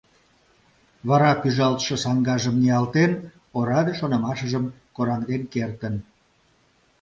Вара пӱжалтше саҥгажым ниялтен, ораде шонымашыжым кораҥден кертын.